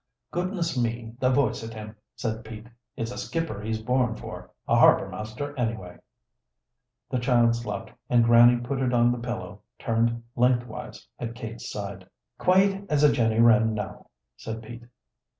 "Goodness me, the voice at him!" said Pete. "It's a skipper he's born for a harbor master, anyway." The child slept, and Grannie put it on the pillow turned lengthwise at Kate's side. "Quiet as a Jenny Wren, now," said Pete.